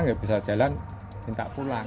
nggak bisa jalan minta pulang